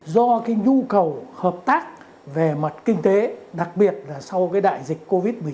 do cái nhu cầu hợp tác về mặt kinh tế đặc biệt là sau cái đại dịch covid một mươi chín